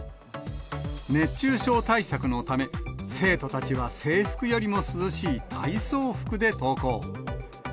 熱中症対策のため、生徒たちは制服よりも涼しい体操服で登校。